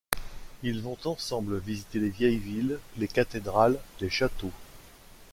Ils vont ensemble visiter les vieilles villes, les cathédrales, les châteaux.